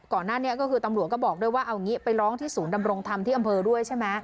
ก่อนหน้านี้ก็คือตำรวจก็บอกด้วยว่าเอางี้ไปร้องที่ศูนย์ดำรงธรรมที่อำเภอด้วยใช่ไหม